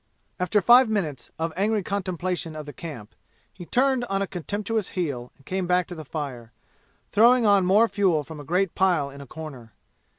After five minutes of angry contemplation of the camp he turned on a contemptuous heel and came back to the fire, throwing on more fuel from a great pile in a corner.